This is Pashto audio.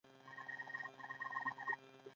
ښځه څه حق لري؟